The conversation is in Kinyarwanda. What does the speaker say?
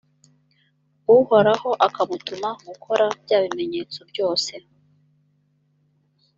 uhoraho akamutuma gukorera bya bimenyetso byose